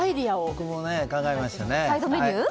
僕も考えました。